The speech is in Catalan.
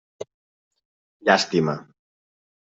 Llàstima.